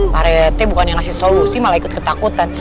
pak rete bukannya ngasih solusi malah ikut ketakutan